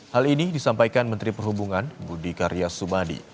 hal ini disampaikan menteri perhubungan budi karya sumadi